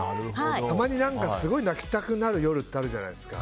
たまにすごく泣きたくなる夜ってあるじゃないですか。